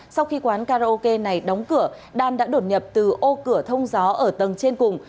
sau khi quán karaoke này đóng cửa đan đã đột nhập từ ô cửa thông gió ở tầng trên cùng